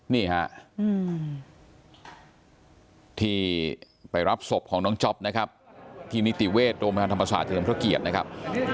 นี่ฮะที่ไปรับศพของน้องจ๊อปนะครับที่นิติเวชโรงพยาบาลธรรมศาสตร์เฉลิมพระเกียรตินะครับ